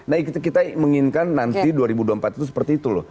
nah kita menginginkan nanti dua ribu dua puluh empat itu seperti itu loh